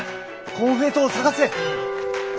コンフェイトを探せ。